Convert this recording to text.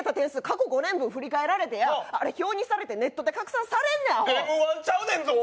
過去５年分振り返られてやあれ表にされてネットで拡散されんねんアホＭ−１ちゃうねんぞ